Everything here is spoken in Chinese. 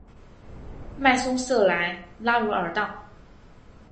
迈松瑟莱拉茹尔当。